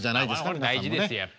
これ大事ですよ